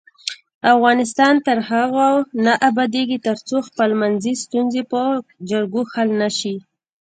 افغانستان تر هغو نه ابادیږي، ترڅو خپلمنځي ستونزې په جرګو حل نشي.